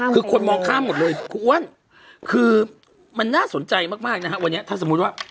คือคนมองข้ามหมดเลยครูอ้วนคือมันน่าสนใจมากนะฮะวันนี้ถ้าสมมุติว่า